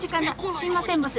すいませんボス。